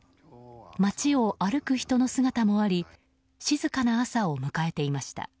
街を歩く人の姿もあり静かな朝を迎えていました。